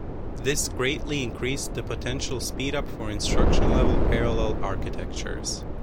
This greatly increased the potential speed-up for instruction-level parallel architectures.